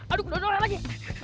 aduh kedua dua lagi